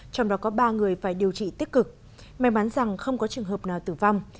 trong đó có ba người phải điều trị tích cực may mắn rằng không có trường hợp nào tử vong